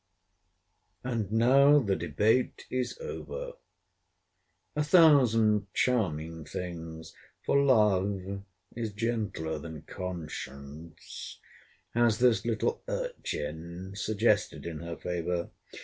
And now the debate is over. A thousand charming things, (for LOVE is gentler than CONSCIENCE,) has this little urchin suggested in her favour.